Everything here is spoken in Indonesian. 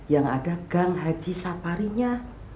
yang ada gang haji safarinya